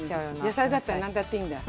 野菜だったら何だっていいんだ。